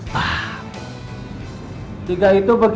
biar tolong aku tersenyum